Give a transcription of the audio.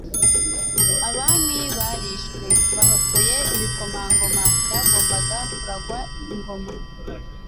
Abami barishwe, bahotoye ibikomangoma byagombaga kuragwa ingoma;